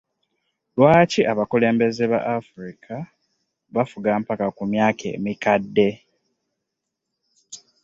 Lwaki abakulembeze ba Africa bafuga mpaka ku myaka emikadde?